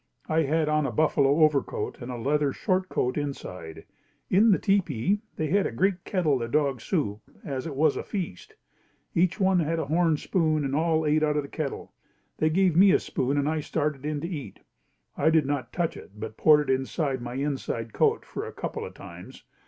I had on a buffalo overcoat and a leather shortcoat inside. In the tepee, they had a great kettle of dog soup, as it was a feast. Each one had a horn spoon and all ate out of the kettle. They gave me a spoon and I started in to eat. I did not touch it but poured it inside my inside coat for a couple of times.